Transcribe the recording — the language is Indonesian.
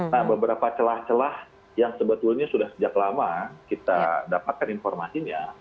nah beberapa celah celah yang sebetulnya sudah sejak lama kita dapatkan informasinya